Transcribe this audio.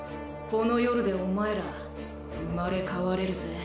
この夜でお前ら生まれ変われるぜ。